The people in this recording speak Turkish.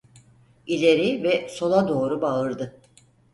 İleri ve sola doğru bağırdı.